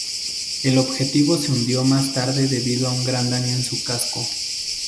El objetivo se hundió más tarde debido a un gran daño en su casco.